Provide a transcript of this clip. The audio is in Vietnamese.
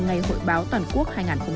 ngày hội báo toàn quốc hai nghìn hai mươi bốn